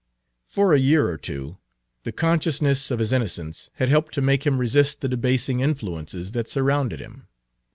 For a year or two, the consciousness of his innocence had helped to make him resist the debasing influences that surrounded him.